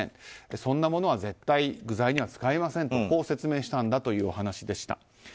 そんなものは絶対具材には使いませんと説明したんだというお話でした。